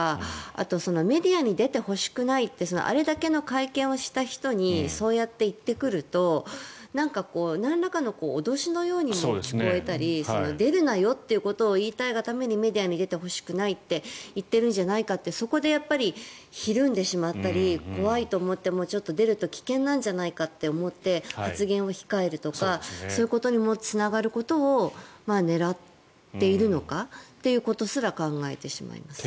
あと、メディアに出てほしくないってあれだけの会見をした人にそうやって言ってくるとなんらかの脅しのようにも聞こえたり出るなよっていうことを言いたいがためにメディアに出てほしくないって言っているんじゃないかとそこでやっぱりひるんでしまったり怖いと思ってもう、ちょっと出ると危険なんじゃないかと思って発言を控えるとかそういうことにもつながることを狙っているのかということすら考えてしまいます。